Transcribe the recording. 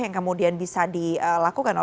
yang kemudian bisa dilakukan